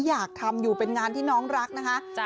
อยากทำอยู่เป็นงานที่น้องรักนะคะ